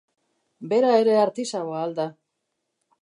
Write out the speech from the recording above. Bera ere artisaua al da?